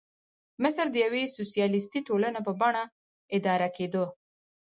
مصر د یوې سوسیالیستي ټولنې په بڼه اداره کېده.